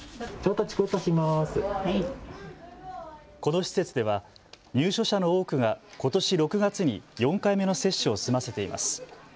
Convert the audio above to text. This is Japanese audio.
この施設では入所者の多くがことし６月に４回目の接種を済ませています。